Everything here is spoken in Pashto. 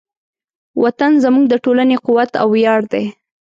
وطن زموږ د ټولنې قوت او ویاړ دی.